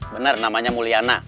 bener namanya mulyana